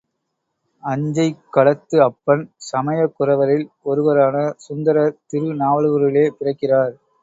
அஞ்சைக் களத்து அப்பன் சமய குரவரில் ஒருவரான சுந்தரர் திரு நாவலூரிலே பிறக்கிறார்.